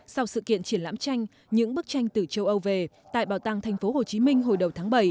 sau sự kiện triển lãm tranh những bức tranh từ châu âu về tại bảo tàng tp hcm hồi đầu tháng bảy